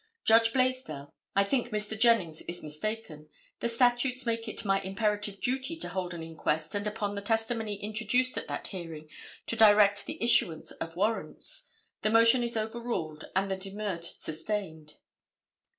Judge Blaisdell—"I think Mr. Jennings is mistaken. The statutes make it my imperative duty to hold an inquest and upon the testimony introduced at that hearing, to direct the issuance of warrants. The motion is overruled and the demurred sustained."